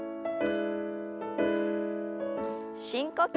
深呼吸。